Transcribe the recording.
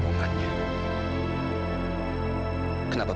mau menutup pemenanganan dari aku